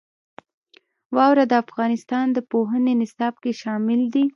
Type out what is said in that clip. واوره د افغانستان د پوهنې نصاب کې شامل دي.